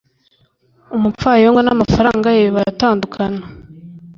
umupfayongo n'amafaranga ye baratandukana